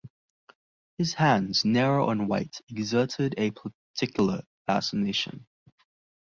His hands, narrow and white, exerted a peculiar fascination.